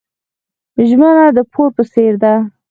ژمنه د پور په څیر ده.